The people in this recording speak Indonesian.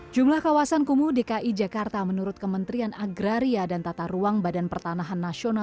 jumlah kawasan kumuh dki jakarta menurut kementerian agraria dan tata ruang badan pertanahan nasional